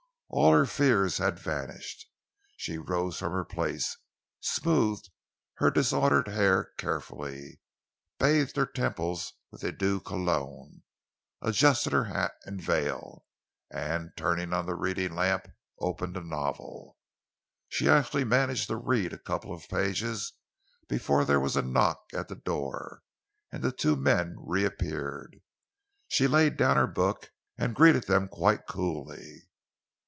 All her fears had vanished. She rose from her place, smoothed her disordered hair carefully, bathed her temples with eau de cologne, adjusted her hat and veil, and, turning on the reading lamp, opened a novel. She actually managed to read a couple of pages before there was a knock at the door and the two men reappeared. She laid down her book and greeted them quite coolly.